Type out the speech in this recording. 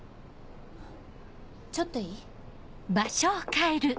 ちょっといい？